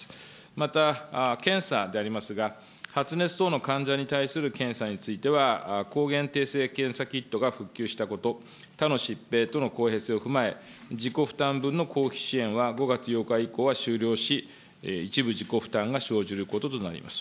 また検査でありますが、発熱等の患者に対する検査については、抗原定性検査キットが復旧したこと、他の疾病との公平性を踏まえ、自己負担分の公費支援は５月８日以降は終了し、一部自己負担が生じることとなります。